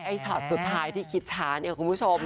ช็อตสุดท้ายที่คิดช้าเนี่ยคุณผู้ชม